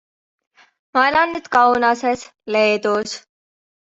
Ma elan nüüd Kaunases, Leedus.